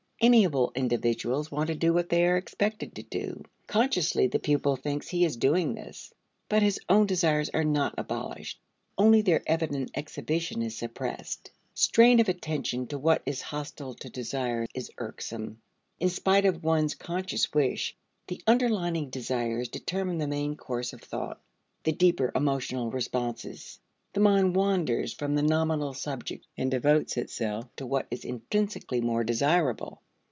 Amiable individuals want to do what they are expected to do. Consciously the pupil thinks he is doing this. But his own desires are not abolished. Only their evident exhibition is suppressed. Strain of attention to what is hostile to desire is irksome; in spite of one's conscious wish, the underlying desires determine the main course of thought, the deeper emotional responses. The mind wanders from the nominal subject and devotes itself to what is intrinsically more desirable.